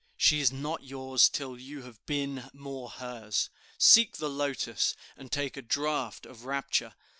She is not yours till you have been more hers. Seek the lotus, and take a draught of rapture.